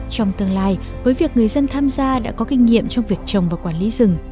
trong tương lai với việc người dân tham gia đã có kinh nghiệm trong việc trồng và quản lý rừng